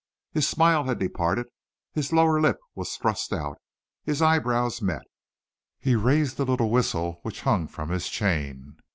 His smile had departed, his lower lip was thrust out, his eyebrows met. He raised the little whistle which hung from his chain.